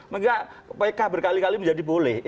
maka pk berkali kali menjadi boleh